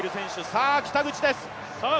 さあ、北口です。